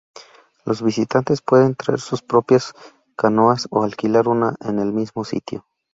Los visitantes pueden traer sus propias canoas o alquilar una en el mismo sitio.